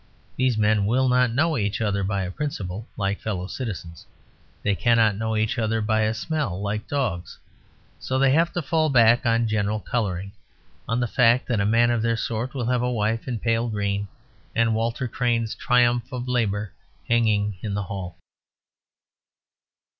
These men will not know each other by a principle, like fellow citizens. They cannot know each other by a smell, like dogs. So they have to fall back on general colouring; on the fact that a man of their sort will have a wife in pale green and Walter Crane's "Triumph of Labour" hanging in the hall.